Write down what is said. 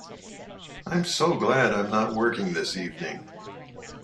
I'm so glad I'm not working this evening!